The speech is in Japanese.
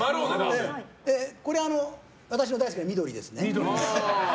これ、私の大好きな緑です。